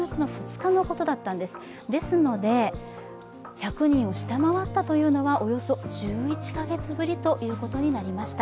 １００人を下回ったというのはおよそ１１カ月ぶりとなりました。